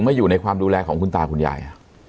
อยู่ในความดูแลของคุณตาคุณยาย